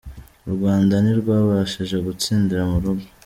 U Rwanda ntirwabashije gutsindira mu rugo